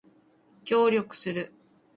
協力する